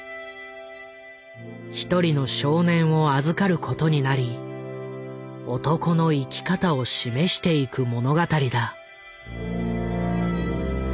一人の少年を預かることになり男の生き方を示していく物語だ。